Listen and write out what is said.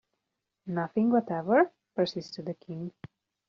‘Nothing whatever?’ persisted the King.